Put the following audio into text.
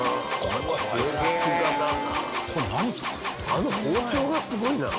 あの包丁がすごいな。